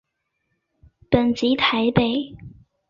本籍台北。